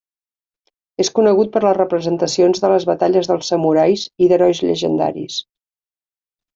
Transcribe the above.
És conegut per les representacions de les batalles dels samurais i d'herois llegendaris.